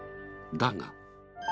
だが。